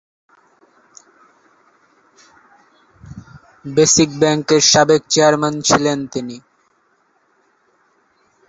Basic ব্যাংকের সাবেক chairman ছিলেন তিনি।